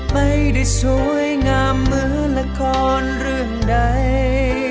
ไม่ได้สวยงามเหมือนละครเรื่องใด